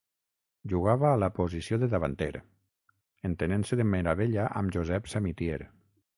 Jugava a la posició de davanter, entenent-se de meravella amb Josep Samitier.